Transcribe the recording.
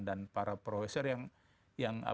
dan para profesor yang